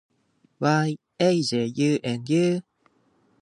野獣先輩イキスギ